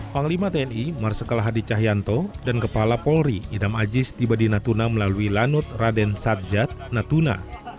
panglima tni marsakalah hadi cahyanto dan kepala polri idam ajis tibadi natuna melalui lanut raden satjat natuna